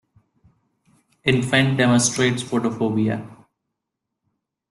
Infant demonstrates photophobia.